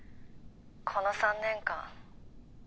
この３年間。